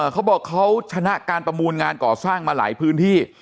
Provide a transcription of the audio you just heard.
เขาบอกเขาชนะการประมูลงานก่อสร้างมาหลายพื้นที่